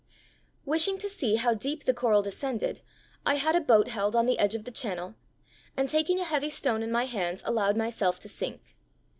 [Illustration: FIG. 36. An atoll.] Wishing to see how deep the coral descended, I had a boat held on the edge of the channel, and taking a heavy stone in my hands allowed myself to sink.